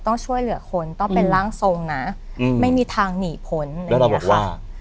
ต้องช่วยเหลือคนต้องเป็นร่างทรงนะไม่มีทางหนีพ้นแน่นอน